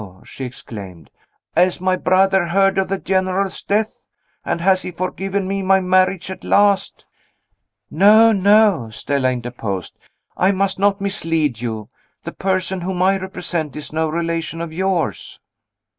she exclaimed, "has my brother heard of the General's death? and has he forgiven me my marriage at last?" "No, no!" Stella interposed; "I must not mislead you. The person whom I represent is no relation of yours."